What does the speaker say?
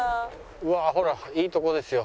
うわほらいいとこですよ。